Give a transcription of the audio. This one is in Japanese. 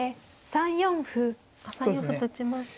３四歩と打ちました。